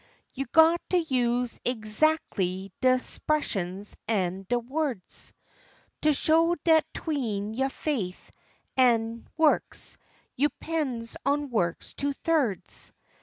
You got to use egzac'ly de 'spressions an' de words To show dat 'tween yo' faith an' works, you 'pends on works two thirds.